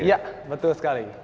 iya betul sekali